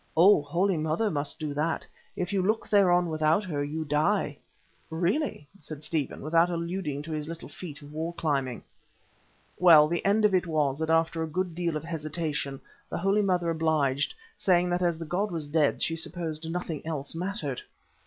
"Oh! Holy Mother must do that. If you look thereon without her, you die." "Really!" said Stephen, without alluding to his little feat of wall climbing. Well, the end of it was that after a good deal of hesitation, the Holy Mother obliged, saying that as the god was dead she supposed nothing else mattered.